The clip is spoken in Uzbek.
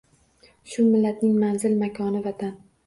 Shu millatning manzil-makoni — Vatan.